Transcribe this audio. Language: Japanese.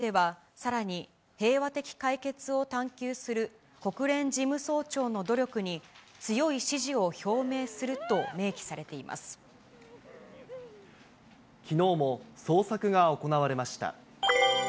声明では、さらに平和的解決を探求する国連事務総長の努力に、強い支持を表きのうも捜索が行われました。